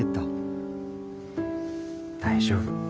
大丈夫。